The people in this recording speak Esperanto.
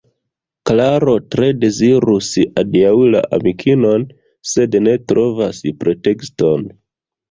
Klaro tre dezirus adiaŭi la amikinon, sed ne trovas pretekston.